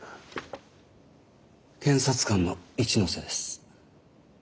検察官の一ノ瀬です。